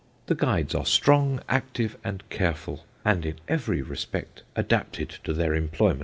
The guides are strong, active, and careful; and, in every respect, adapted to their employments."